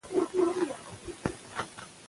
یعنې د هر قوم یو اختر وي